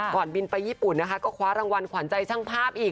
ก่อนบินไปญี่ปุ่นก็คว้ารางวัลขวานใจช่างภาพอีก